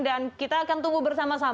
dan kita akan tunggu bersama sama